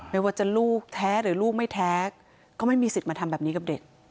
ไม่ว่าจะลูกแท้หรือลูกไม่แท้ก็ไม่มีสิทธิ์มาทำแบบนี้กับเด็ก